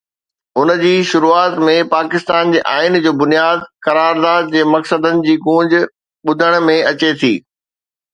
ان جي شروعات ۾ پاڪستان جي آئين جو بنياد، قرارداد جي مقصدن جي گونج ٻڌڻ ۾ اچي ٿي.